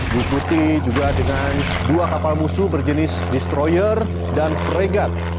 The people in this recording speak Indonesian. diikuti juga dengan dua kapal musuh berjenis destroyer dan fregat